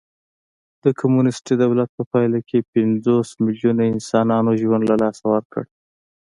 د کمونېستي دولت په پایله کې پنځوس میلیونو انسانانو ژوند له لاسه ورکړ